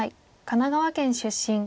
神奈川県出身。